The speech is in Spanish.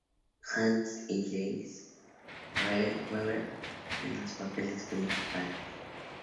Hasse y Jacques Weber en los papeles principales.